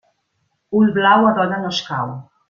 Ull blau a dona no escau.